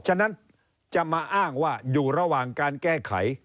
ฉะนั้นจะมาอ้างว่าอยู่ระหว่างการแก้ไข